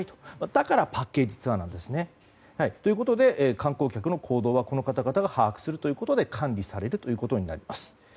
だからパッケージツアーなんですね。ということで、観光客の行動はこの方々が把握するということで管理されることになります。